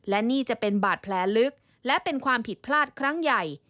และนี่จะเป็นบาดแผลลึกและเป็นความผิดพลาดครั้งใหญ่